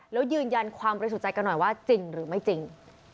แล้วยืนยันความบริสุทธิ์ใจกันหน่อยว่าจริงหรือไม่จริง